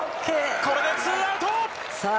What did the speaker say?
これでツーアウト！